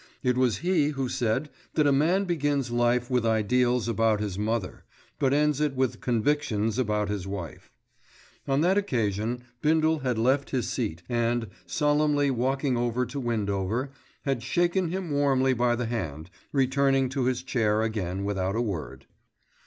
It was he who said that a man begins life with ideals about his mother; but ends it with convictions about his wife. On that occasion Bindle had left his seat and, solemnly walking over to Windover, had shaken him warmly by the hand, returning to his chair again without a word.